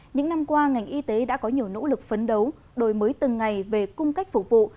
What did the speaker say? những năm qua ngành y tế đã có nhiều nỗ lực phấn đấu đổi mới từng ngày về cung cách phục vụ